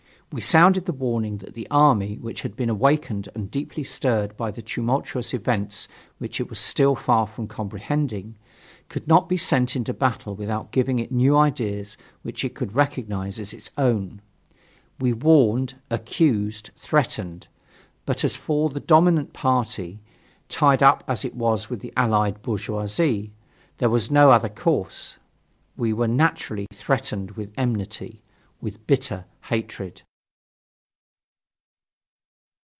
We sounded the warning that the army, which had been awakened and deeply stirred by the tumultuous events which it was still far from comprehending, could not be sent into battle without giving it new ideas which it could recognize as its own. We warned, accused, threatened. But as for the dominant party, tied up as it was with the Allied bourgeoisie, there was no other course; we were naturally threatened with enmity, with bitter hatred.